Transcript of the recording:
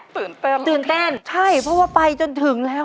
เติมตื่นเต้นใช่เพราะว่าไปจนถึงแล้ว